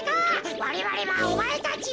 われわれはおまえたちを。